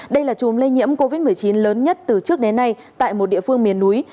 đây là chùm lây nhiễm covid một mươi chín lớn nhất từ trước đến nay tại một địa phương miền núi